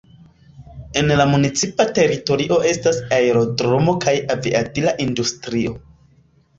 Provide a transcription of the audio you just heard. En la municipa teritorio estas aerodromo kaj aviadila industrio.